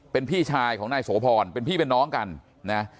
เป็นพี่ชายของนายโสพรเป็นพี่เป็นน้องกันนะ